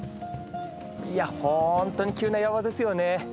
いや本当に急な山ですよね。